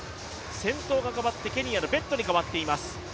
先頭が代わってケニアのベットに代わっています。